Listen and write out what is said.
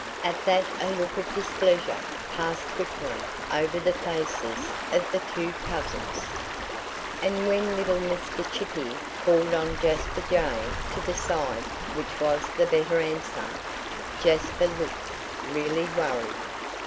At that a look of displeasure passed quickly over the faces of the two cousins. And when little Mr. Chippy called on Jasper Jay to decide which was the better answer, Jasper looked really worried.